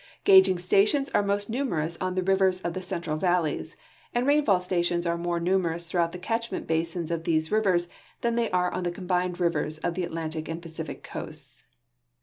Gauging stations are most numerous on the rivers of the central valleys, and rainfall sta tions are more numerous throughout the catchment liasins of these rivers than they are on the combined rivers of the Atlantic and Pacific coasts.